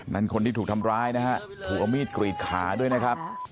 คนที่ถูกทำร้ายนะฮะถูกเอามีดกรีดขาด้วยนะครับ